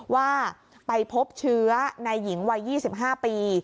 ว่าไปพบเชื้อในหญิงวัย๒๕ปี